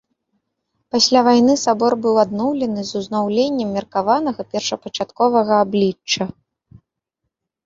Пасля вайны сабор быў адноўлены з узнаўленнем меркаванага першапачатковага аблічча.